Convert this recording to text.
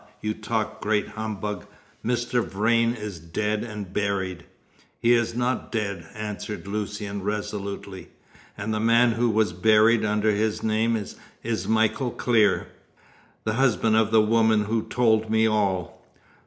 You talk great humbug. Mr. Vrain is dead and buried!" "He is not dead," answered Lucian resolutely, "and the man who was buried under his name is Michael Clear, the husband of the woman who told me all."